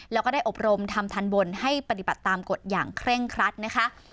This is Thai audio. แล้วก็ได้อบรมทำทันบนให้ปฏิบัติตามกฎอย่างเคร่งครัดนะคะ